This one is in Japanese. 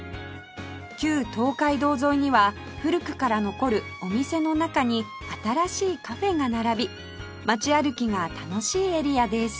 旧東海道沿いには古くから残るお店の中に新しいカフェが並び街歩きが楽しいエリアです